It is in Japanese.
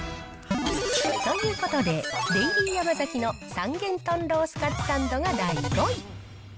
ということで、デイリーヤマザキの三元豚ロースかつサンドが第５位。